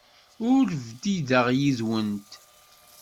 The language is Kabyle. Ur bdideɣ yid-went.